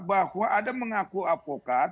bahwa ada mengaku avokat